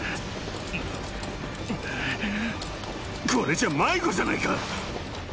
これじゃ迷子じゃないか！